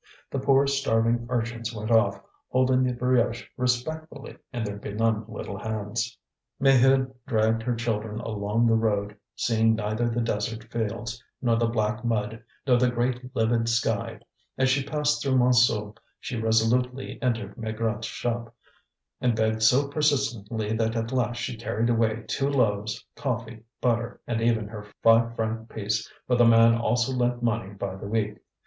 The poor starving urchins went off, holding the brioche respectfully in their benumbed little hands. Maheude dragged her children along the road, seeing neither the desert fields, nor the black mud, nor the great livid sky. As she passed through Montsou she resolutely entered Maigrat's shop, and begged so persistently that at last she carried away two loaves, coffee, butter, and even her five franc piece, for the man also lent money by the week.